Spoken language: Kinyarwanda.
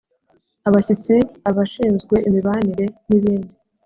abashyitsi abashinzwe imibanire n ibindi